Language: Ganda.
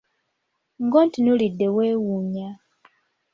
Ng'ontunuulidde weewuunya.